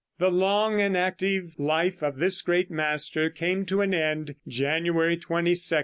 The long and active life of this great master came to an end January 22, 1594.